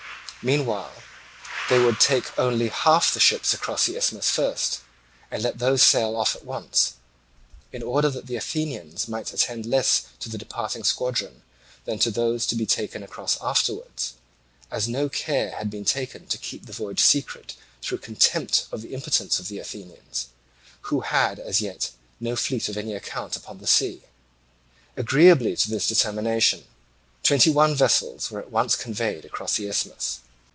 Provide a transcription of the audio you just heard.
Meanwhile they would take only half the ships across the Isthmus first, and let those sail off at once, in order that the Athenians might attend less to the departing squadron than to those to be taken across afterwards, as no care had been taken to keep this voyage secret through contempt of the impotence of the Athenians, who had as yet no fleet of any account upon the sea. Agreeably to this determination, twenty one vessels were at once conveyed across the Isthmus.